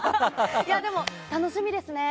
でも、楽しみですね。